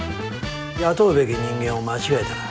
雇うべき人間を間違えたな。